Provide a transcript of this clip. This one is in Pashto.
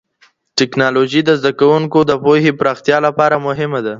ټکنالوژي د زده کوونکو د پوهې پراختيا لپاره مهمه ده.